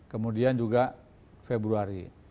kemudian juga februari